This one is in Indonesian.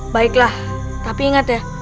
baiklah tapi ingat ya